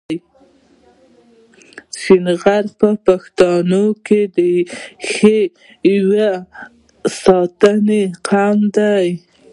غرشین په پښتنو کښي يو ستانه قوم دﺉ.